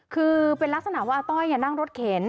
คือเป็นลักษณะว่าอาต้อยนั่งรถเข็น